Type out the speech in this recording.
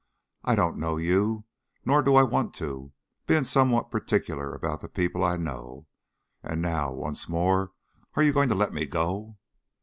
I don't know you, nor do I want to, being somewhat particular about the people I know. And now once more, are you going to let me go?"